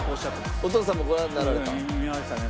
「お父様もご覧になられた」「見ましたね」